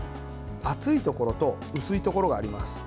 厚いところと薄いところがあります。